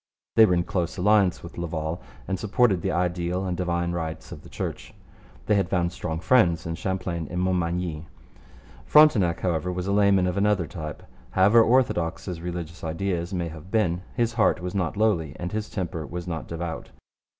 They were in close alliance with Laval and supported the ideal and divine rights of the Church. They had found strong friends in Champlain and Montmagny. Frontenac, however, was a layman of another type. However orthodox his religious ideas may have been, his heart was not lowly and his temper was not devout.